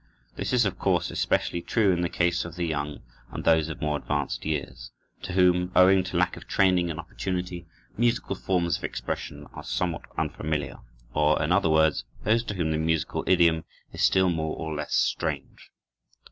This is, of course, especially true in the case of the young, and those of more advanced years, to whom, owing to lack of training and opportunity, musical forms of expression are somewhat unfamiliar; or, in other words, those to whom the musical idiom is still more or less strange.